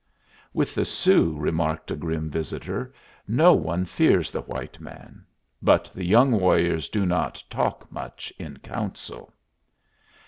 "With the Sioux," remarked a grim visitor, "no one fears the white man. But the young warriors do not talk much in council."